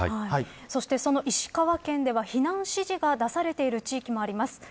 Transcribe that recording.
そして、その石川県では非難指示が出されている地域もあります。